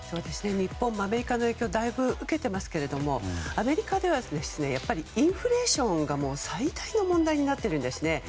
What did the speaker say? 日本もアメリカの影響をだいぶ受けていますけどアメリカではインフレーションが最大の問題になっているんですね。